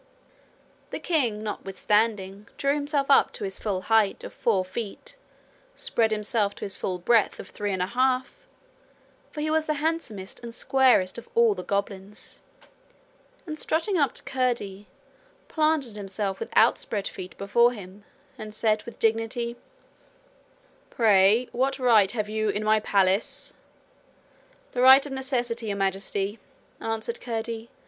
The king notwithstanding drew himself up to his full height of four feet, spread himself to his full breadth of three and a half, for he was the handsomest and squarest of all the goblins, and strutting up to Curdie, planted himself with outspread feet before him, and said with dignity: 'Pray what right have you in my palace?' 'The right of necessity, Your Majesty,' answered Curdie.